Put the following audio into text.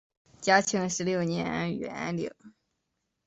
嘉庆十六年园寝。